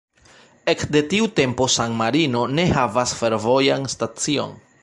Ekde tiu tempo San-Marino ne havas fervojan stacion.